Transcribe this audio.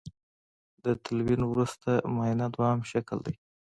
د تلوین وروسته معاینه دویم شکل دی.